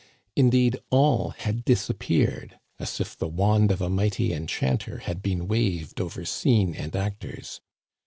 Indeed, all had disappeared, as if the wand of a mighty enchanter had been waved over scene and actors.